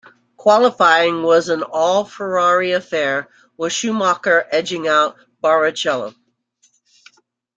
Qualifying was an all Ferrari affair, with Schumacher edging out Barrichello.